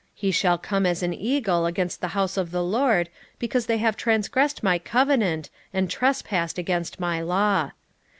He shall come as an eagle against the house of the LORD, because they have transgressed my covenant, and trespassed against my law.